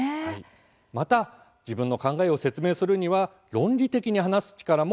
また、自分の考えを説明するには論理的に話す力も欠かせません。